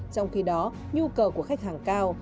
trong khi đó nhu cầu của khách hàng cao